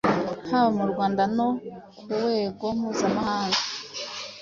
haba mu Rwanda no ku wego mpuzamahanga,